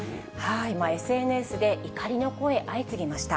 ＳＮＳで怒りの声、相次ぎました。